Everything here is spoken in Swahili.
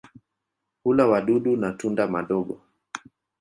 Hula wadudu na tunda madogo.